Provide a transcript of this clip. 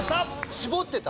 絞ってた？